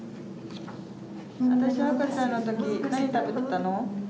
私が赤ちゃんのとき、何食べてたの。